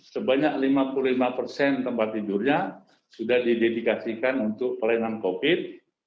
sebanyak lima puluh lima persen tempat tidurnya sudah didedikasikan untuk pelayanan covid